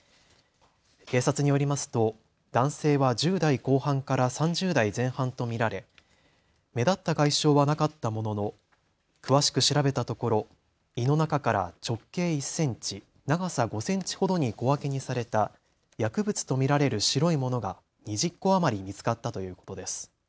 警察によりますと男性は１０代後半から３０代前半と見られ目立った外傷はなかったものの詳しく調べたところ胃の中から直径１センチ長さ５センチほどに小分けにされた薬物と見られる白いものが２０個余り見つかったということです。